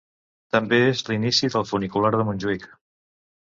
També és l'inici del funicular de Montjuïc.